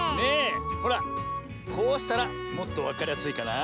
ほらこうしたらもっとわかりやすいかなあ。